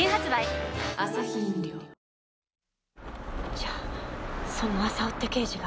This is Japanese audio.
じゃあその浅尾って刑事が。